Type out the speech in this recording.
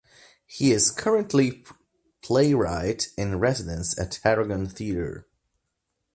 He is currently playwright in residence at Tarragon Theatre.